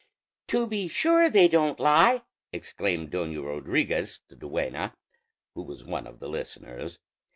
"To be sure they don't lie!" exclaimed Doña Rodriguez, the duenna, who was one of the listeners.